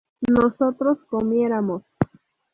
¿nosotros comiéramos?